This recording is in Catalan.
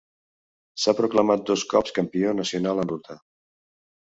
S'ha proclamat dos cops campió nacional en ruta.